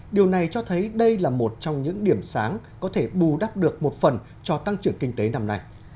điều này cho thấy đây là một trong những điểm sáng có thể bù đắp được một phần cho tăng trưởng kinh tế năm nay